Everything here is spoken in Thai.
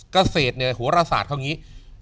เกษตรหัวละศาสตรเท่านี้